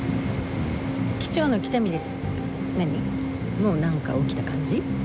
もうなんか起きた感じ？